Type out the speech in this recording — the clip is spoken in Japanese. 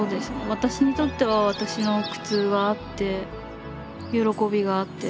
私にとっては私の苦痛はあって喜びがあって。